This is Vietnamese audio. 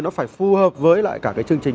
nó phải phù hợp với lại cả cái chương trình